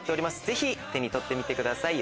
ぜひ手に取ってみてください